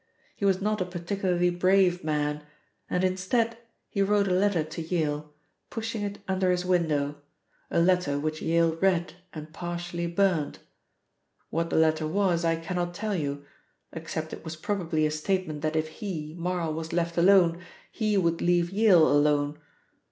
He was not a particularly brave man, and instead he wrote a letter to Yale, pushing it under his window a letter which Yale read and partially burnt. What the letter was I cannot tell you, except it was probably a statement that if he, Marl, was left alone, he would leave Yale alone.